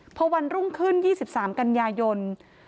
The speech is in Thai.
พอวันรุ่งขึ้น๒๓กันยายน